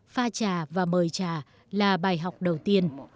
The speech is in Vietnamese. pha trà và mời trà là bài học đầu tiên